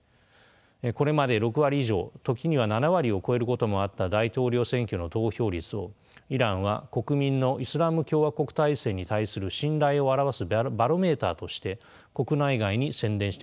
これまで６割以上時には７割を超えることもあった大統領選挙の投票率をイランは国民のイスラム共和国体制に対する信頼を表すバロメーターとして国内外に宣伝してきました。